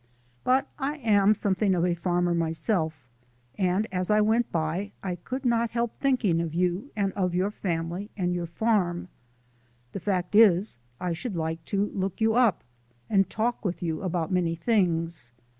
But I am something of a farmer myself, and as I went by I could not help thinking of you and your family and your farm. The fact is, I should like to look you up, and talk with you about many things.